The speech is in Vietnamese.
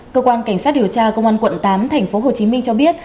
cơ quan cảnh sát điều tra công an quận tám tp hcm cho biết